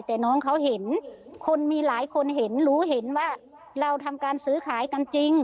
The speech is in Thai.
แต่น้องเขาเห็นคนมีหลายคนเห็นรู้เห็นว่าเราทำการซื้อขายกันจริง